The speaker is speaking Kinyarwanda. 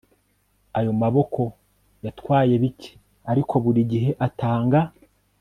ayo maboko yatwaye bike ariko buri gihe atanga